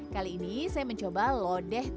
kali ini saya mencoba lodeh